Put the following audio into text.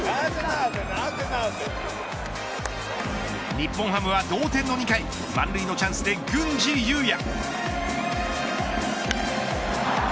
日本ハムは同点の２回満塁のチャンスで郡司裕也。